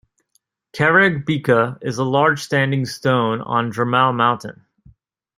Carreg Bica is a large standing stone on Drummau Mountain.